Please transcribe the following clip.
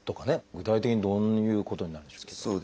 具体的にどういうことなんでしょう？